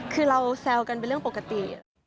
คือเราแซวกันเป็นเรื่องปกติ